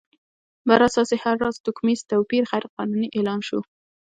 پر اساس یې هر راز توکمیز توپیر غیر قانوني اعلان شو.